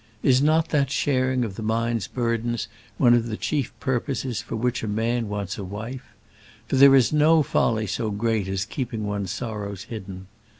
Is not that sharing of the mind's burdens one of the chief purposes for which a man wants a wife? For there is no folly so great as keeping one's sorrows hidden.